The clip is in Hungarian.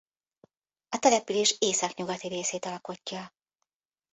A település északnyugati részét alkotja.